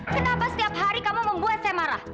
kenapa setiap hari kamu membuat saya marah